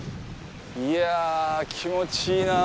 いや、気持ちいいなあ。